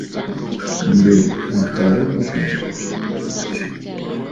Ǹdè à tàrə mâkàbə̀.